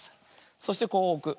そしてこうおく。